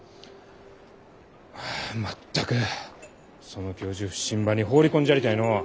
はあ全くその教授普請場に放り込んじゃりたいのう。